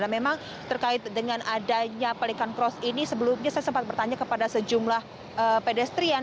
memang terkait dengan adanya pelikan cross ini sebelumnya saya sempat bertanya kepada sejumlah pedestrian